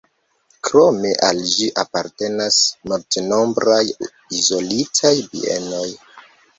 Krome al ĝi apartenas multnombraj izolitaj bienoj.